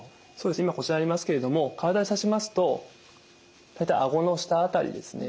今こちらにありますけれども体にさしますと大体あごの下辺りですね。